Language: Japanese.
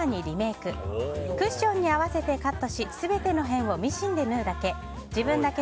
クッションに合わせてカットし全ての辺をミシンで縫うだけ。